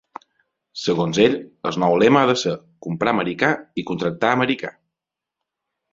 Segons ell, el nou lema ha de ser ‘comprar americà i contractar americà’.